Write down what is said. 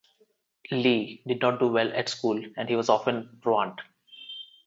Lee did not do well at school, and he was often truant.